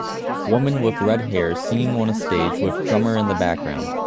Woman with redhair singing on stage with drummer in the background